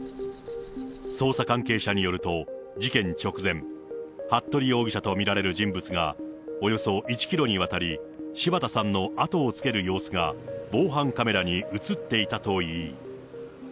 捜査関係者によると、事件直前、服部容疑者と見られる人物がおよそ１キロにわたり、柴田さんの後をつける様子が防犯カメラに写っていたと言い。